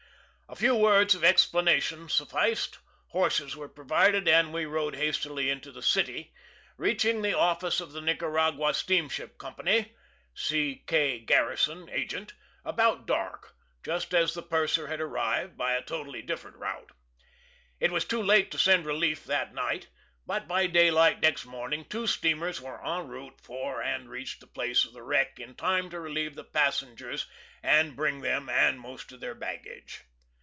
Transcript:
A few words of explanation sufficed; horses were provided, and we rode hastily into the city, reaching the office of the Nicaragua Steamship Company (C. K. Garrison, agent) about dark, just as the purser had arrived; by a totally different route. It was too late to send relief that night, but by daylight next morning two steamers were en route for and reached the place of wreck in time to relieve the passengers and bring them, and most of the baggage.